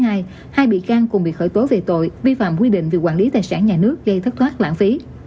hai bị can cùng bị khởi tố về tội vi phạm quy định về quản lý tài sản nhà nước gây thất thoát lãng phí